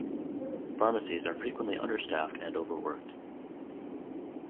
Pharmacies are frequently understaffed and overworked.